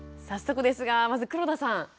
早速ですがまず黒田さん。